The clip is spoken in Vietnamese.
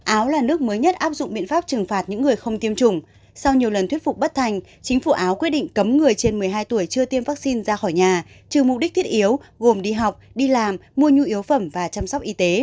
áo là nước mới nhất áp dụng biện pháp trừng phạt những người không tiêm chủng sau nhiều lần thuyết phục bất thành chính phủ áo quyết định cấm người trên một mươi hai tuổi chưa tiêm vaccine ra khỏi nhà trừ mục đích thiết yếu gồm đi học đi làm mua nhu yếu phẩm và chăm sóc y tế